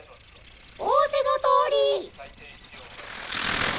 仰せのとおり！